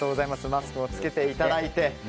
マスクを着けていただいて。